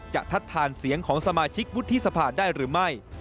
ทัดทานเสียงของสมาชิกวุฒิสภาได้หรือไม่